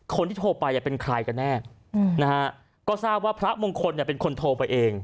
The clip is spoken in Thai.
คนที่โทรไปเป็นใครกันแน่นะฮะก็ทราบว่าพระมงคลเนี่ยเป็นคนโทรไปเอง